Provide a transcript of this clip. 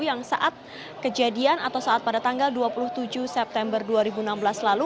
yang saat kejadian atau saat pada tanggal dua puluh tujuh september dua ribu enam belas lalu